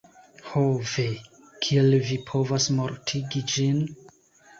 Ho ve! Kiel mi povas mortigi ĝin?